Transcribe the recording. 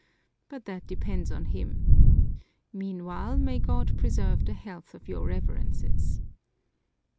But that depends on him! Meanwhile, may God preserve the health of your Reverences!"